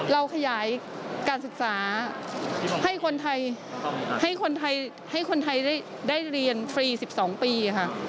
เราขยายการศึกษาให้คนไทยได้เรียนฟรี๑๒ปี